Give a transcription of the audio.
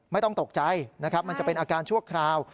ไม่ต้องตกใจนะครับมันจะเป็นอาการชั่วคราว